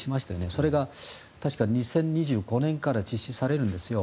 それが確か２０２５年から実施されるんですよ。